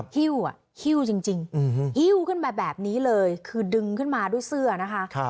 หิ้วหิ้วจริงหิ้วขึ้นมาแบบนี้เลยคือดึงขึ้นมาด้วยเสื้อนะคะ